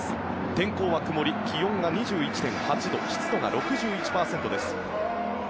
天候は曇り、気温が２１．８度湿度、６１％です。